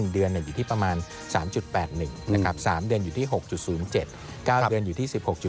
๓เดือนอยู่ที่๖๐๗๙เดือนอยู่ที่๑๖๘๕